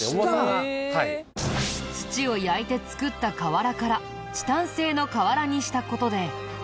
土を焼いて作った瓦からチタン製の瓦にした事で。